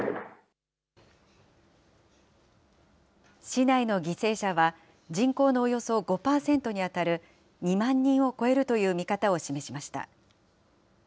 市内の犠牲者は、人口のおよそ５％に当たる２万人を超えるという見方を示しました。